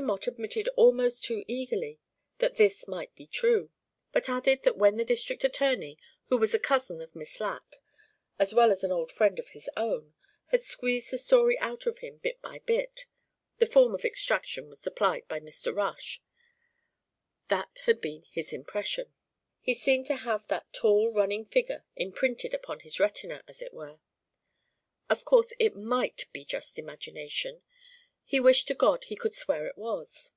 Mott admitted almost too eagerly that this might be true, but added that when the district attorney, who was a cousin of Miss Lacke, as well as an old friend of his own, had squeezed the story out of him bit by bit (the form of extraction was supplied by Mr. Rush), that had been his impression; he seemed to have that tall running figure imprinted upon his retina, as it were. Of course it might be just imagination. He wished to God he could swear it was.